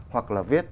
hoặc là viết